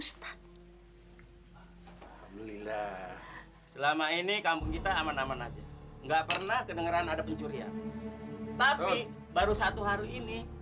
selama ini kampung kita aman aman aja nggak pernah kedengeran ada pencurian tapi baru satu hari ini